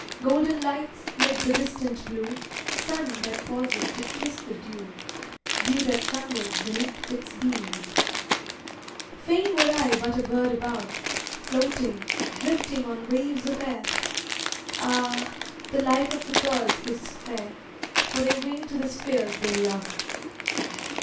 Golden lights 'mid the distant blue, Sun that pauses to kiss the dew, Dew that trembles beneath its beams— Fain were I but a bird above, Floating, drifting on waves of air! Ah! the life of the birds is fair, For they wing to the spheres they love.